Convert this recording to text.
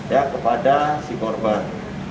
ya kepada si korban